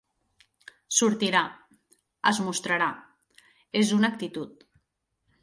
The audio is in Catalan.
Sortirà; es mostrarà; és una actitud.